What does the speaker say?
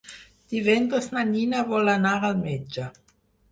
Divendres na Nina vol anar al metge.